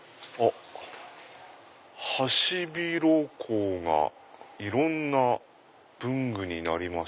「ハシビロコウがいろんな文具になりました」。